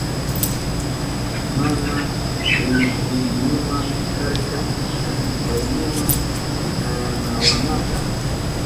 Mana unkuynima karka atipaynima tarawanata.